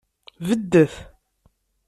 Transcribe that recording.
Beddet!